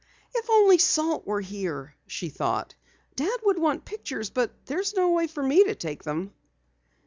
"If only Salt were here!" she thought. "Dad would want pictures, but there's no way for me to take them."